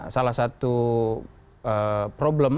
salah satu problem